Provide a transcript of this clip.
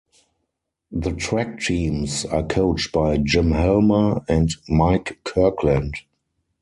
The track teams are coached by Jim Helmer and Mike Kirkland.